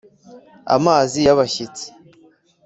amazi y’abashyitsi